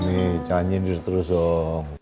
mi janji terus terus dong